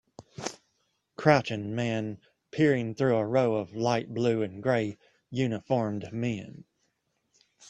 Crouching man peering through a row of light blue and gray uniformed men.